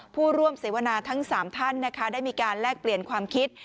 ผู้ร่วมเสวนาทั้ง๓ท่านนะคะได้มีการแลกเปลี่ยนความคิด